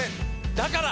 だから！